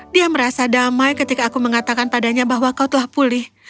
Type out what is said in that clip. dia merasa damai ketika aku mengatakan padanya bahwa kau telah pulih